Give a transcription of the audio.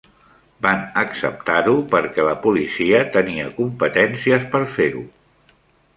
Van acceptar-ho perquè la policia tenia competències per fer-ho.